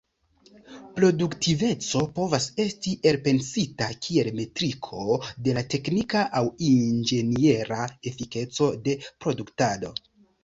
Produktiveco povas esti elpensita kiel metriko de la teknika aŭ inĝeniera efikeco de produktado.